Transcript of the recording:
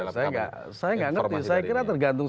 informasi dari ini saya tidak mengerti saya kira tergantung